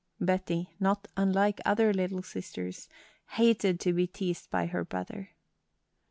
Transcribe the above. Betty, not unlike other little sisters, hated to be teased by her brother.